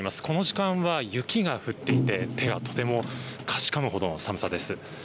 この時間は雪が降っていて手がとてもかじかむほどの寒さです。